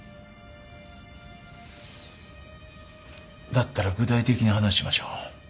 だったら具体的に話ししましょう。